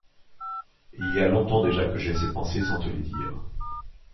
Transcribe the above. Il y a longtemps déjà que j’ai ces pensées sans te les dire.